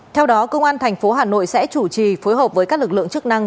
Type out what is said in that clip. theo đó công an thành phố hà nội sẽ chủ trì phối hợp với các lực lượng chức năng